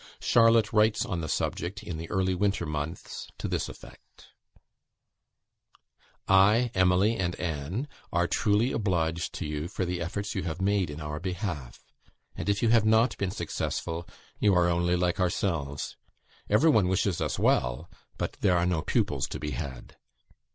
Charlotte writes on the subject, in the early winter months, to this effect "I, Emily, and Anne, are truly obliged to you for the efforts you have made in our behalf; and if you have not been successful, you are only like ourselves. Every one wishes us well; but there are no pupils to be had.